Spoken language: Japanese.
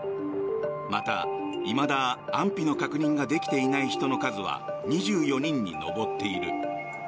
また、いまだ安否の確認ができていない人の数は２４人に上っている。